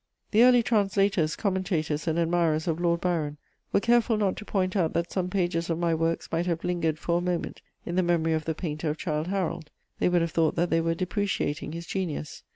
The early translators, commentators and admirers of Lord Byron were careful not to point out that some pages of my works might have lingered for a moment in the memory of the painter of Childe Harold; they would have thought that they were depreciating his genius.